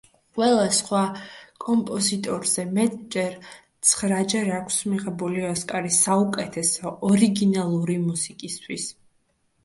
ყველა სხვა კომპოზიტორზე მეტჯერ, ცხრაჯერ აქვს მიღებული ოსკარი საუკეთესო ორიგინალური მუსიკისთვის.